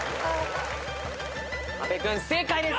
阿部君正解です。